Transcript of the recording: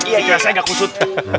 saya gak kusut